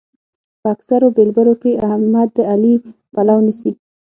په اکثرو بېلبرو کې احمد د علي پلو نيسي.